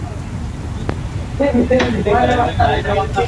লটারিতে মোরগ প্রতীক পেয়ে সন্তোষ প্রকাশ করেন বর্তমান সদস্য আবদুল হান্নান।